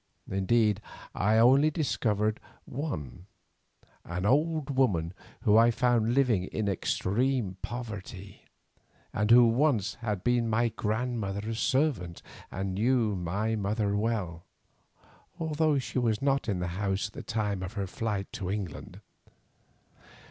Indeed I only discovered one, an old woman whom I found living in extreme poverty, and who once had been my grandmother's servant and knew my mother well, although she was not in the house at the time of her flight to England.